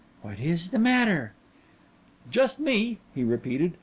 "What is the matter?" "Just me," he repeated.